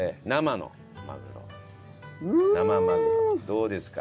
どうですか？